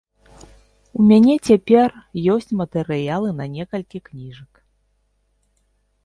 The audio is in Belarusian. У мяне цяпер ёсць матэрыялы на некалькі кніжак.